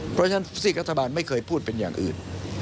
เพราะฉะนั้นซีกรัฐบาลไม่เคยพูดเป็นอย่างอื่น